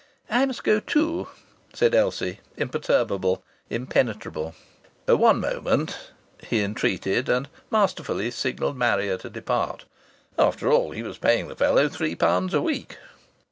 "I must go too," said Elsie, imperturbable, impenetrable. "One moment," he entreated, and masterfully signalled Marrier to depart. After all he was paying the fellow three pounds a week.